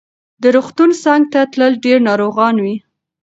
د روغتون څنګ ته تل ډېر ناروغان وي.